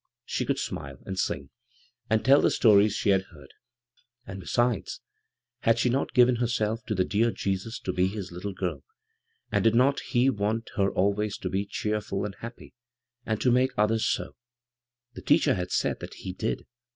She 167 bvGoog[c CROSS CURRENTS could smile, and sing, and tell the stories she had heard ; and besides — had she not given herself to the dear Jesus to be His litde girl, and did not He want her always to be cheer ful and happy, and to make others so ? TTie teacher had said that He did.